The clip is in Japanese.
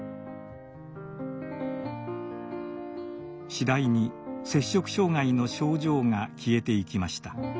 次第に摂食障害の症状が消えていきました。